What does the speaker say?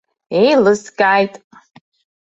Еилыскааит.